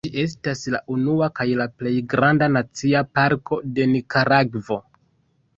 Ĝi estas la unua kaj la plej granda nacia parko de Nikaragvo.